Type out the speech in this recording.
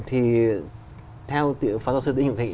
thì theo phó giáo sư tinh hồng thị